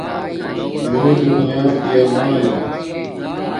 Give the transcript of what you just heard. میے دُونیا پیامایا